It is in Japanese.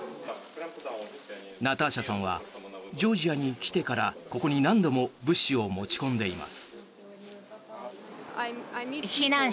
ナターシャさんはジョージアに来てからここに何度も物資を持ち込んでいます。